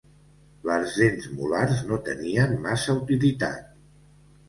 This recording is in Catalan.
Les dents molars no tenien massa utilitat.